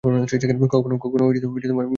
কখনো গেয়ে দেখেছিলে?